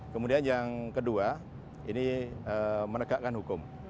kemudian yang kedua ini menegakkan hukum